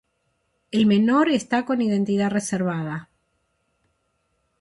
El menor está con identidad reservada.